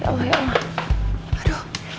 ya allah ya allah aduh